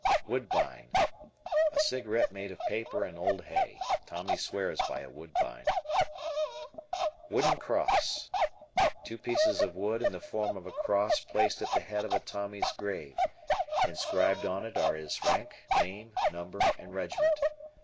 Woodbine. A cigarette made of paper and old hay. Tommy swears by a Woodbine. Wooden Cross. Two pieces of wood in the form of a cross placed at the head of a Tommy's grave. Inscribed on it are his rank, name, number, and regiment.